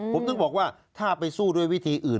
ผมถึงบอกว่าถ้าไปสู้ด้วยวิธีอื่น